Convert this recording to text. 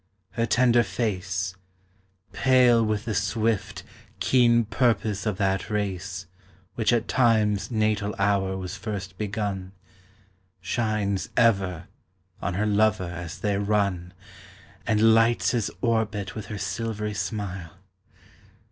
Her tender face, Pale with the swift, keen purpose of that race Which at Time's natal hour was first begun, Shines ever on her lover as they run And lights his orbit with her silvery smile.